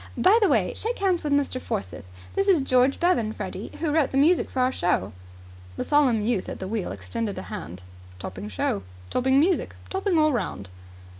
By the way, shake hands with Mr. Forsyth. This is George Bevan, Freddie, who wrote the music of our show." The solemn youth at the wheel extended a hand. "Topping show. Topping music. Topping all round."